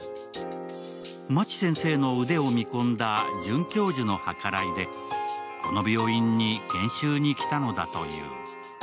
マチ先生の腕を見込んだ准教授の計らいでこの病院に研修に来たのだという。